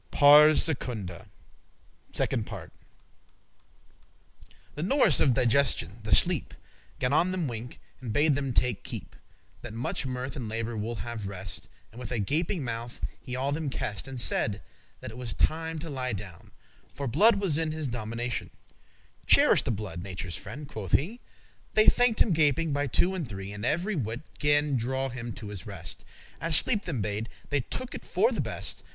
*Pars Secunda.* *Second Part* The norice* of digestion, the sleep, *nurse Gan on them wink, and bade them take keep,* *heed That muche mirth and labour will have rest. And with a gaping* mouth he all them kest, *yawning kissed And said, that it was time to lie down, For blood was in his dominatioun: <26> "Cherish the blood, nature's friend," quoth he. They thanked him gaping, by two and three; And every wight gan draw him to his rest; As sleep them bade, they took it for the best.